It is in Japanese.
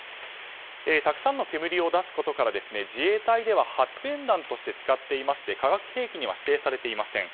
たくさんの煙を出すことから自衛隊では発煙弾として使っていまして化学兵器には指定されていません。